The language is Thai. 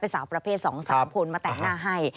สาวประเภท๒๓คนมาแต่งหน้าให้